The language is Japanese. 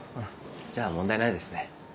じゃあ問題ないですね